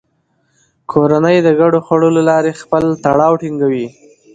کورنۍ د ګډو خوړو له لارې خپل تړاو ټینګوي